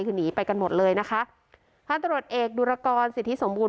คือหนีไปกันหมดเลยนะคะพันตรวจเอกดุรกรสิทธิสมบูรณ